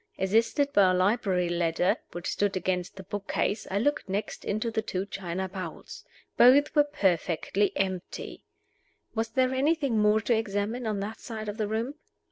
Assisted by a library ladder which stood against the book case, I looked next into the two china bowls. Both were perfectly empty. Was there anything more to examine on that side of the room?